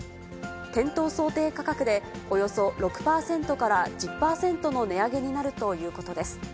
店頭想定価格でおよそ６％から１０％の値上げになるということです。